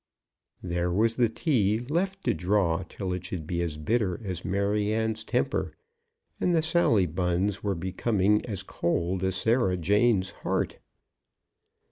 There was the tea left to draw till it should be as bitter as Maryanne's temper, and the sally luns were becoming as cold as Sarah Jane's heart.